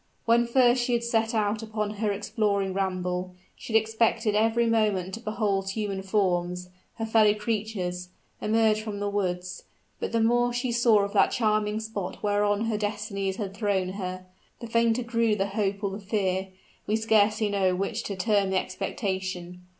When first she had set out upon her exploring ramble, she had expected every moment to behold human forms her fellow creatures emerge from the woods; but the more she saw of that charming spot whereon her destinies had thrown her, the fainter grew the hope or the fear we scarcely know which to term the expectation.